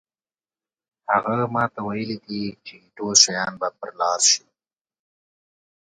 هغه ماته ویلي دي ټول شیان به پر لار شي.